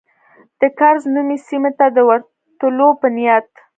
د کرز نومي سیمې ته د ورتلو په نیت.